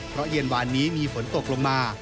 เพราะเย็นวานนี้มีฝนตกลงมา